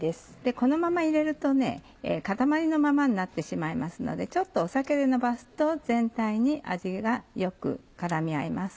このまま入れると固まりのままになってしまいますのでちょっと酒でのばすと全体に味がよく絡み合います。